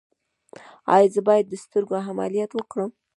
ایا زه باید د سترګو عملیات وکړم؟